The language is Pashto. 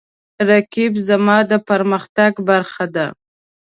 رقیب زما د پرمختګ برخه ده